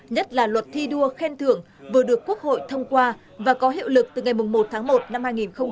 nhất là luật thi đua khen thưởng vừa được quốc hội thông qua và có hiệu lực từ ngày một tháng một năm hai nghìn hai mươi